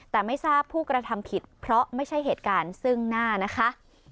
แต่ไม่ทราบผู้กระทำผิดเพราะไม่ใช่เหตุการณ์ซึ่งหน้านะคะ